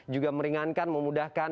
juga meringankan memudahkan